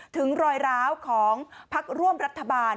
ถึงรอยร้าวของพักร่วมรัฐบาล